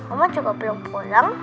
oma juga belum pulang